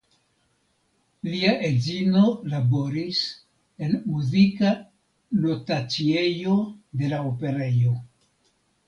Lia edzino laboris en muzika notaciejo de la Operejo.